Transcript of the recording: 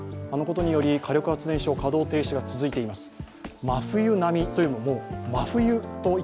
あのことにより火力発電所の稼働停止が続いています。